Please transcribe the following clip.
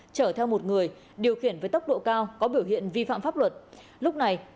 chở theo một người điều khiển với tốc độ cao có biểu hiện vi phạm pháp luật